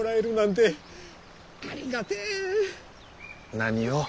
何を。